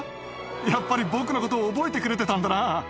やっぱり僕のことを覚えてくれてたんだな。